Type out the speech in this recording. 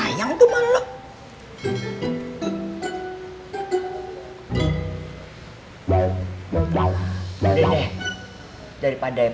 awak tuh puyok nih